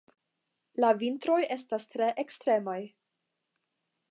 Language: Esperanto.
La vintroj estas tre ekstremaj.